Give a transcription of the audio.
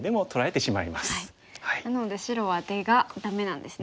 なので白は出がダメなんですね。